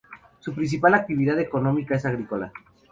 Su principal actividad económica es agrícola.